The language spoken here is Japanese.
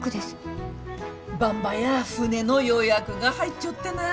ばんばや船の予約が入っちょってな。